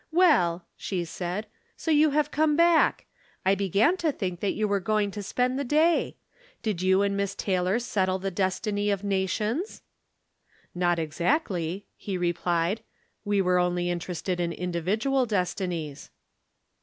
" Well," she said, " so you have come back ! I began to think that you were going to spend the day ! Did you and Miss Taylor settle the destiny of nations ?"" Not exactly," he replied ;" we were only in terested in individual destinies."